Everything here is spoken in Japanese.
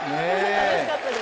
楽しかったです。